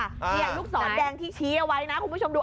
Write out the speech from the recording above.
นี่ลูกศรแดงที่ชี้เอาไว้นะคุณผู้ชมดู